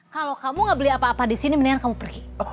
kalau kamu gak beli apa apa di sini mendingan kamu pergi